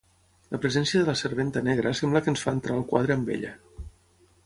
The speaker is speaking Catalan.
La presència de la serventa negra sembla que ens fa entrar al quadre amb ella.